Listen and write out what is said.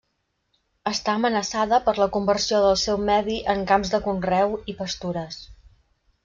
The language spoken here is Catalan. Està amenaçada per la conversió del seu medi en camps de conreu i pastures.